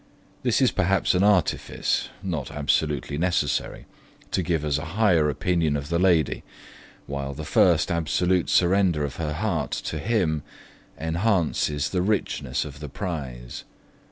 This is perhaps an artifice (not absolutely necessary) to give us a higher opinion of the lady, while the first absolute surrender of her heart to him enhances the richness of the prize.